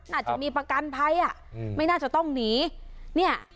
อาจจะมีประกันภัยอ่ะอืมไม่น่าจะต้องหนีเนี่ย